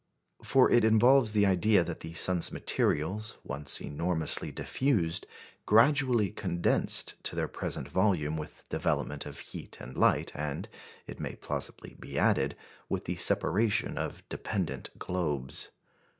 For it involves the idea that the sun's materials, once enormously diffused, gradually condensed to their present volume with development of heat and light, and, it may plausibly be added, with the separation of dependent globes.